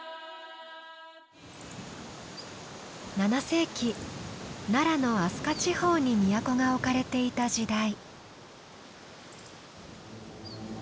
７世紀奈良の明日香地方に都が置かれていた時代。